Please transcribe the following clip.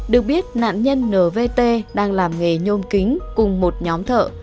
được biết nạn nhân nvt đang làm nghề nhôm kính cùng một nhóm thợ